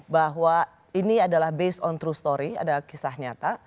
bahwa ini adalah based on true story ada kisah nyata